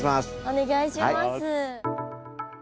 お願いします。